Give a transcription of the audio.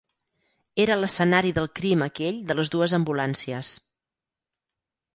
Era l'escenari del crim aquell de les dues ambulàncies.